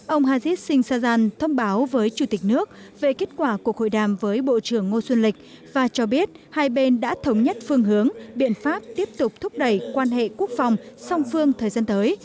ông hajit singsajan thông báo với chủ tịch nước về kết quả cuộc hội đàm với bộ trưởng ngô xuân lịch và cho biết hai bên đã thống nhất phương hướng biện pháp tiếp tục thúc đẩy quan hệ quốc phòng song phương thời gian tới